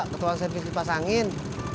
ketuan servis kipas angin